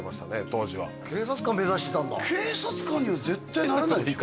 当時は警察官目指してたんだ警察官には絶対なれないでしょ